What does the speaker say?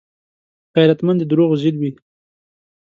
غیرتمند د دروغو ضد وي